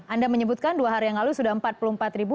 anda menyebutkan dua hari yang lalu sudah empat puluh empat ribu